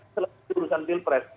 selesai urusan pilpres